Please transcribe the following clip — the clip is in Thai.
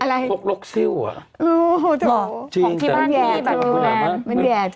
อะไรซิ้ววะเอาจริงแต่ละคุณยำมั้ยมันแยลเธอ